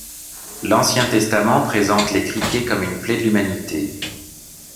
L'Ancien Testament présente les criquets comme une plaie de l'humanité.